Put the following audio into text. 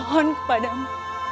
aku mohon kepadamu